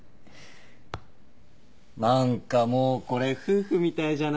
何かもうこれ夫婦みたいじゃない？